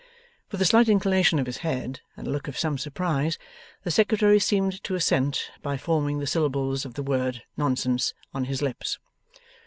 With a slight inclination of his head, and a look of some surprise, the Secretary seemed to assent by forming the syllables of the word 'nonsense' on his lips.